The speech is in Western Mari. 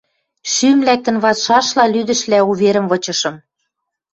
Шӱм лӓктӹн вацшашла лӱдӹшлӓ уверӹм вычышым: